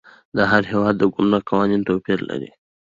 د هر هیواد د ګمرک قوانین توپیر لري.